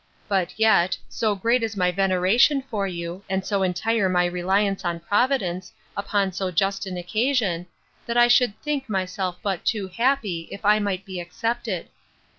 But, yet, so great is my veneration for you, and so entire my reliance on Providence, upon so just an occasion, that I should think myself but too happy, if I might be accepted.